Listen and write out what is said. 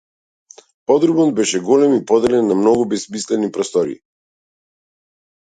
Подрумот беше голем и поделен на многу бесмислени простории.